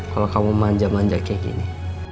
kalo kamu manja manja kek gini